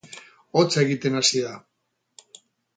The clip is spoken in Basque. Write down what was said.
Hotza egiten hasi da